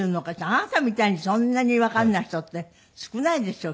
あなたみたいにそんなにわからない人って少ないでしょうきっとね。